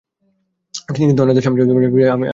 কিন্তু এনাদের সামনে সেটা আমি বলতে চাচ্ছি না।